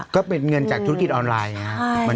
ก็เป็นเงินจากธุรกิจออนไลน์